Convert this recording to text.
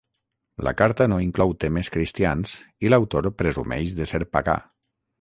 La carta no inclou temes cristians i l'autor presumeix de ser pagà.